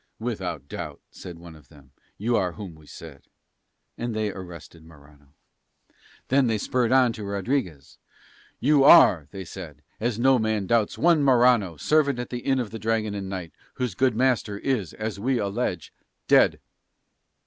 "Without doubt," said one of them, "you are whom we said." And they arrested Morano. Then they spurred on to Rodriguez. "You are," they said, "as no man doubts, one Morano, servant at the Inn of the Dragon and Knight, whose good master is, as we allege, dead."